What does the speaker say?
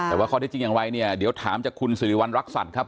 แต่ว่าข้อได้จริงอย่างไรเนี่ยเดี๋ยวถามจากคุณสิริวัณรักษัตริย์ครับ